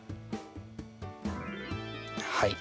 はい。